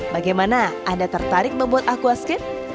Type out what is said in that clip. bagaimana anda tertarik membuat aquascape